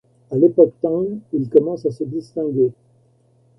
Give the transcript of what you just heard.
À l'époque Tang, ils commencent à se distinguer.